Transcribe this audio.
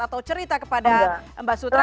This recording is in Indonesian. atau cerita kepada mbak sutra